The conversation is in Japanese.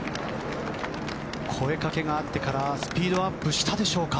声掛けがあってからスピードアップしたでしょうか。